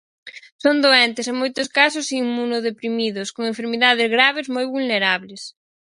Son doentes, en moitos casos, inmunodeprimidos, con enfermidades graves, moi vulnerables.